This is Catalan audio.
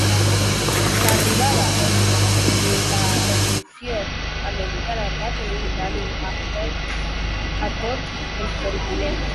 L'arribada de la revolució americana va tenir gran impacte a tot el continent.